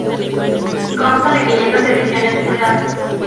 Consta de quinientas ediciones numeradas.